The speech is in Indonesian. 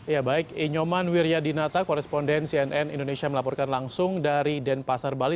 ya baik inyoman wiryadinata koresponden cnn indonesia melaporkan langsung dari denpasar bali